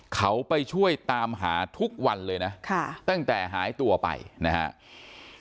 เขาไปช่วยตามหาทุกวันเลยนะตั้งแต่หายตัวไปนะครับ